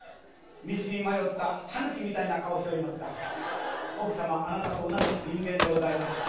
道に迷ったタヌキみたいな顔しておりますが、奥様、あなたと同じ人間でございます。